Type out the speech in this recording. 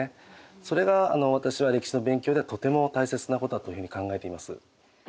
それが私は歴史の勉強ではとても大切なことだというふうに考えています。